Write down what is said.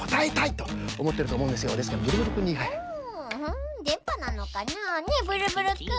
ふんでんぱなのかな？ねえブルブルくん。